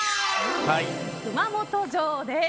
熊本城です。